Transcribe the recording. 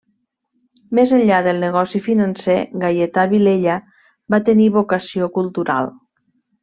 Més enllà del negoci financer, Gaietà Vilella va tenir vocació cultural.